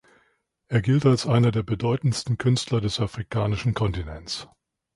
Er gilt als einer der bedeutendsten Künstler des afrikanischen Kontinents.